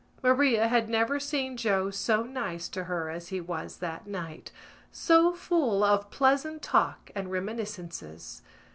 Maria had never seen Joe so nice to her as he was that night, so full of pleasant talk and reminiscences.